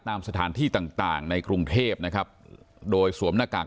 ตามสถานที่ต่างในกรุงเทพโดยสวมหน้ากาก